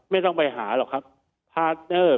ไม่ต้องไปหาหรอกครับพาร์